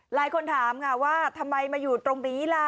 หลายคนถามค่ะว่าทำไมมาอยู่ตรงนี้ล่ะ